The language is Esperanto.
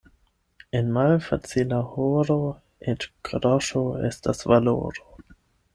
En malfacila horo eĉ groŝo estas valoro.